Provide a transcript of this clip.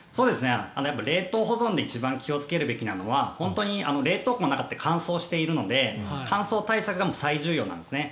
冷凍保存で一番気をつけるべきなのは本当に冷凍庫の中って乾燥しているので乾燥対策が最重要なんですね。